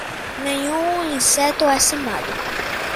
Nenhum inseto é chamado